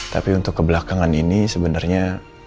tapi untuk kebelakangan ini sebenarnya